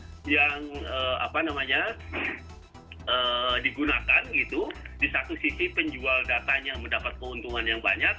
nah yang apa namanya digunakan gitu di satu sisi penjual datanya mendapat keuntungan yang banyak